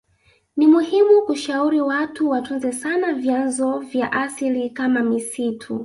Nimuhimu kushauri watu watunze sana vyanzo vya asili kama misitu